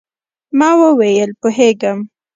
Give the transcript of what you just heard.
ما وویل، پوهېږم.